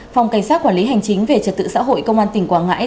phòng cảnh sát quản lý hành chính về trật tự xã hội công an tỉnh quảng ngãi